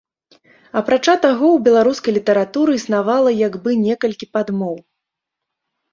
Апрача таго, у беларускай літаратуры існавала як бы некалькі падмоў.